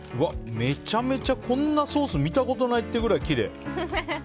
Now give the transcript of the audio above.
めちゃめちゃこんなソース見たことないってぐらいきれい。